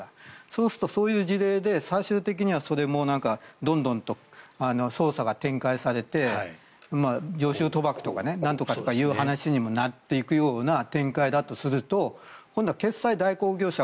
そうすると、そういう事例で最終的にはそれもどんどんと捜査が展開されて常習賭博とかなんとかって話にもなっていくような展開だとすると今度は決済代行業者